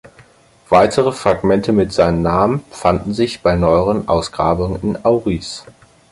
Weitere Fragmente mit seinem Namen fanden sich bei neueren Ausgrabungen in Auaris.